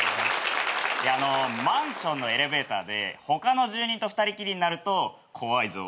マンションのエレベーターで他の住人と２人きりになると怖いぞ。